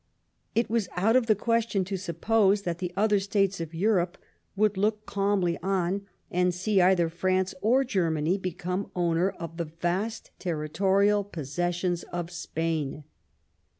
It was out of the question to sup pose that the other states of Europe could look calmly on and see either France or Germany become owner of the vast territorial possessions of Spain.